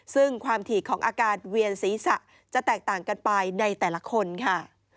ซึ่งความถี่ของอาการเวียนศีรษะจะแตกต่างกันไปในแต่ละคนค่ะ